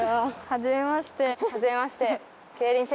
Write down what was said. はじめまして。